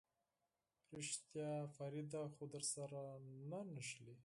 رښتيا فريده خو درسره نه نښلي.